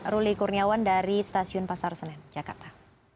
ruli kurniawan dari stasiun pasar senen jakarta